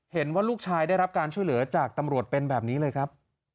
เห็นว่าลูกชายได้รับการช่วยเหลือจากตำรวจเป็นแบบนี้เลยครับ